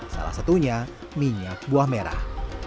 salah satunya minyak buah merah